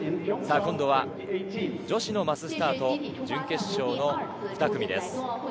今度は女子のマススタート準決勝の２組です。